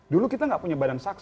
dulu kita gak punya badan saksi mbak